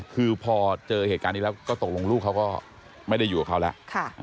คือพอเจอเหตุการณ์นี้แล้วก็ตกลงลูกเขาก็ไม่ได้อยู่กับเขาแล้ว